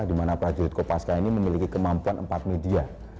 dimana prajurit kopaska ini memiliki kemampuan empat media